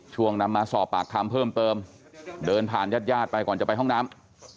นำมาสอบปากคำเพิ่มเติมเดินผ่านญาติญาติไปก่อนจะไปห้องน้ำ